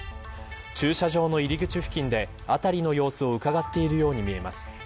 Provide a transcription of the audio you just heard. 駐車場の入り口付近で辺りの様子をうかがっているように見えます。